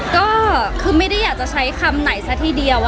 ก็คือไม่ได้อยากจะใช้คำไหนซะทีเดียว